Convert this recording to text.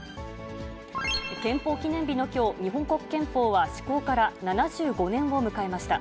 憲法記念日のきょう、日本国憲法は施行から７５年を迎えました。